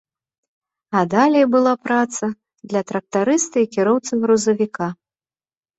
А далей была праца для трактарыста і кіроўцы грузавіка.